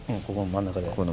ここの真ん中で。